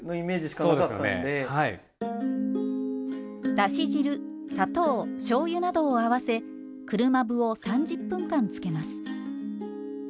だし汁砂糖しょうゆなどを合わせ車麩を３０分間つけます。